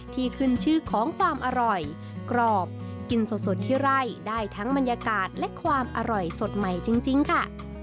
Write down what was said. ที่ขึ้นชื่อของความอร่อยกรอบกินสดที่ไร่ได้ทั้งบรรยากาศและความอร่อยสดใหม่จริงค่ะ